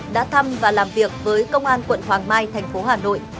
đã thăm và làm việc với công an quận hoàng mai thành phố hà nội